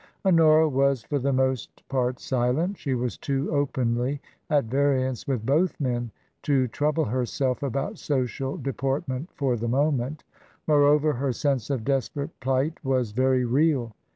Honora was for the most part silent. She was too openly at variance with both men to trouble herself about social deportment for the moment ; moreover, her sense of desperate plight was 64 TRANSITION. very real.